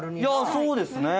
そうですね。